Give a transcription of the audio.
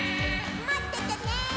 まっててね！